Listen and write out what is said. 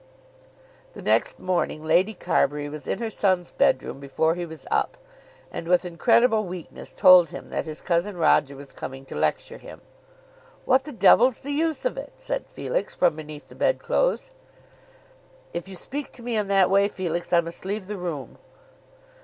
The next morning Lady Carbury was in her son's bedroom before he was up, and with incredible weakness told him that his cousin Roger was coming to lecture him. "What the Devil's the use of it?" said Felix from beneath the bedclothes. "If you speak to me in that way, Felix, I must leave the room."